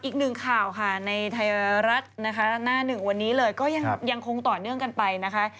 อีกหนึ่งข่าวค่ะในไทยรัฐนะคะหน้าหนึ่งวันนี้เลยก็ยังคงต่อเนื่องกันไปนะคะ